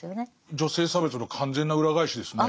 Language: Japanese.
女性差別の完全な裏返しですね。